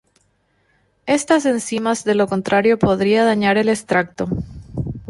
Estas enzimas de lo contrario podría dañar el extracto.